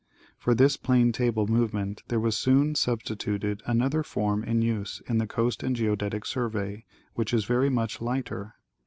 For this plane table movement there was soon substituted another form in use in the Coast and Geodetic Survey, which is very much lighter.